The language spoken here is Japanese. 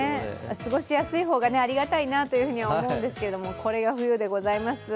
過ごしやすい方がありがたいと思うんですけれどもこれが冬でございます。